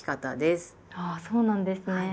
あそうなんですね。